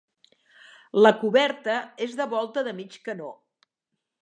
La coberta és de volta de mig canó.